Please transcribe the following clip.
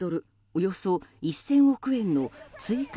およそ１０００億円の追加